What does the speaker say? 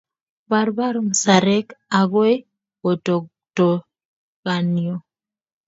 barbar musarek agoi kotoktokanio